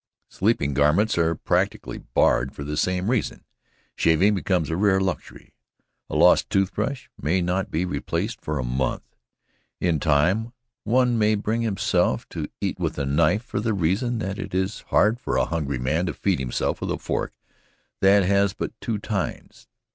Sleeping garments are practically barred for the same reason. Shaving becomes a rare luxury. A lost tooth brush may not be replaced for a month. In time one may bring himself to eat with a knife for the reason that it is hard for a hungry man to feed himself with a fork that has but two tines.